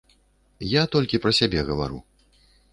Я толькі пра сябе гавару.